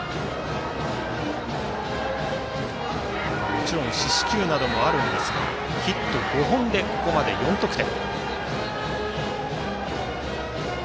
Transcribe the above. もちろん四死球などもあるんですがヒット５本でここまで４得点。